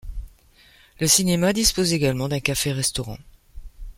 Le cinéma dispose également d'un café-restaurant.